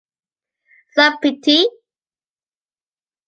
Self-pity.